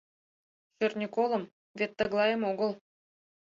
Шӧртньӧ колым — вет тыглайым огыл